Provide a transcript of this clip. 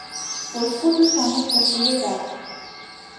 Пошкудо-шамыч вашлийытат